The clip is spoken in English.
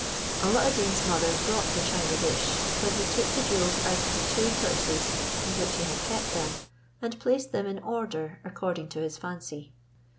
Alla ad Deen's mother brought the china dish, when he took the jewels out of the two purses in which he had kept them, and placed them in order according to his fancy.